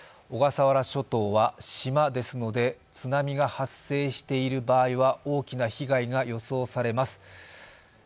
小笠原諸島は島ですので、津波が発生している場合は大きな被害が予想されます。